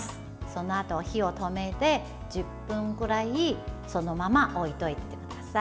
そのあと火を止めて１０分ぐらいそのまま置いておいてください。